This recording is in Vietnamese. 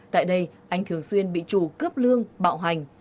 tại đây anh thường xuyên bị chủ cướp lương bạo hành